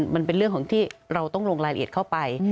มันเป็นเรื่องของที่เราต้องลงรายละเอียดเข้าไป